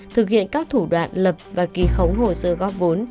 thực hiện các thủ đoạn lập và ký khống hồ sơ góp vốn